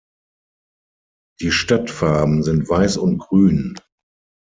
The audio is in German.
Die Stadtfarben sind Weiß und Grün.